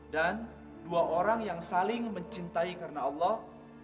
dan dua orang yang saling mencintai karena allah